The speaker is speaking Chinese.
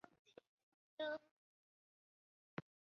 在拿破仑战争中它多次被占领。